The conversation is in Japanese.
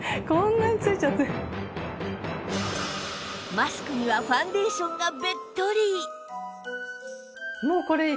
マスクにはファンデーションがべっとり